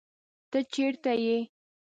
ته چرته یې؟